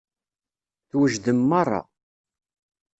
Twejdem meṛṛa.